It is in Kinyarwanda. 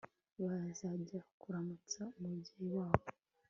Bazajya kuramutsa umubyeyi wabo